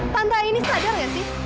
tante aini sadar kan sih